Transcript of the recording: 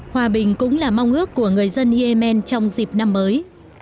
hòa bình cũng là mong ước của người dân yemen trong dịp năm mới